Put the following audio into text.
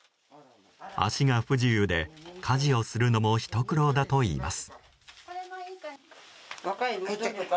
足が不自由で、家事をするのもひと苦労だといいます。